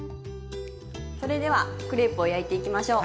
それではクレープを焼いていきましょう。